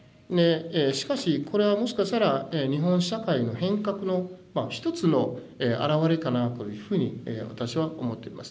しかしこれはもしかしたら日本社会の変革の一つのあらわれかなというふうに私は思ってます。